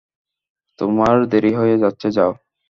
তোমার দেরি হয়ে যাচ্ছে যাও।